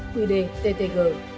quy đề ttg